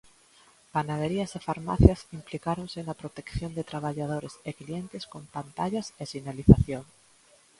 Panaderías e farmacias implicáronse na protección de traballadores e clientes con pantallas e sinalización.